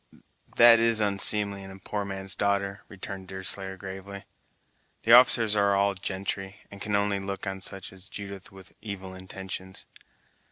"That is unseemly in a poor man's darter," returned Deerslayer gravely, "the officers are all gentry, and can only look on such as Judith with evil intentions."